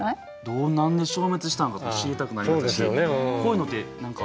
何で消滅したのか知りたくなりましたしこういうのって何かありますか？